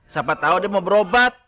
siapa tahu dia mau berobat